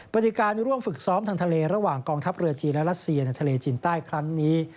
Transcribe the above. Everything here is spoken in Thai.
ปฏิการร่วมฝึกซ้อมทางทะเลระหว่างกองทัพเรือจีนและรัสเซียในทะเลจีนใต้ครั้งนี้